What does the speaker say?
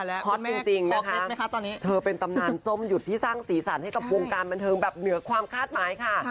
ฮอตจริงนะคะตอนนี้เธอเป็นตำนานส้มหยุดที่สร้างสีสันให้กับวงการบันเทิงแบบเหนือความคาดหมายค่ะ